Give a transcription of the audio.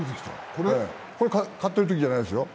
これ、勝ってるときじゃないですよ